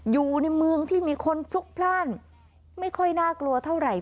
อยู่ในเมืองที่มีคนพลุกพลาดไม่ค่อยน่ากลัวเท่าไหร่